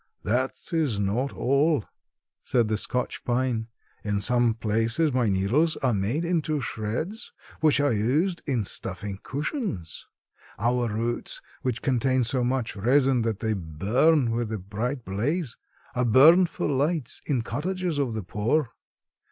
"That is not all," said the Scotch pine. "In some places my needles are made into shreds which are used in stuffing cushions. Our roots, which contain so much resin that they burn with a bright blaze, are burned for lights in cottages of the poor.